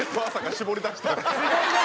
絞り出した。